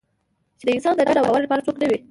چې د انسان د ډاډ او باور لپاره څوک نه وي.